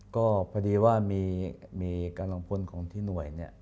ก็พอดีว่ามีกำลังพลของที่หน่วยเนี่ย